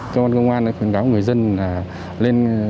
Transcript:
cơ quan công an khuyến cáo người dân